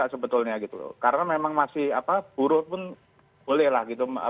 karena memang masih buruh pun boleh lah